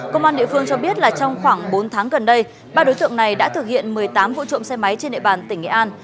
công an địa phương cho biết là trong khoảng bốn tháng gần đây ba đối tượng này đã thực hiện một mươi tám vụ trộm xe máy trên địa bàn tỉnh nghệ an